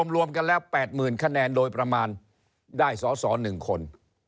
รวมกันแล้ว๘๐๐๐คะแนนโดยประมาณได้สอสอ๑คน